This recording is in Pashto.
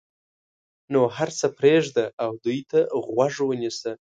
نو هر څه پرېږده او دوی ته غوږ ونیسه.